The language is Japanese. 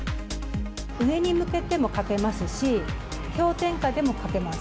上に向けても書けますし、氷点下でも書けます。